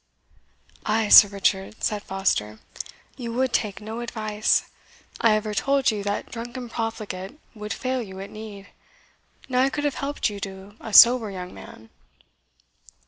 "Ay, Sir Richard," said Foster, "you would take no advice. I ever told you that drunken profligate would fail you at need. Now I could have helped you to a sober young man."